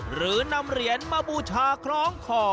หรือนำเหรียญมาบูชาคล้องคอ